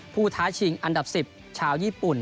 ท้าชิงอันดับ๑๐ชาวญี่ปุ่น